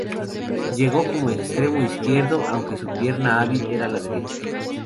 Llegó como extremo izquierdo, aunque su pierna hábil era la derecha.